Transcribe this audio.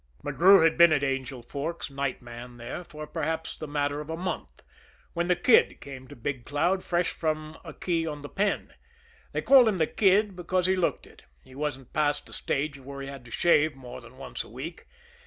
McGrew had been at Angel Forks night man there for perhaps the matter of a month, when the Kid came to Big Cloud fresh from a key on the Penn. They called him the Kid because he looked it he wasn't past the stage of where he had to shave more than once a week.